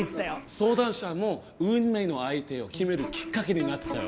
相談者も運命の相手を決めるきっかけになってたよ。